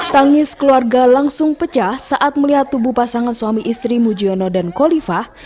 tangis keluarga langsung pecah saat melihat tubuh pasangan suami istri mujiono dan kolifah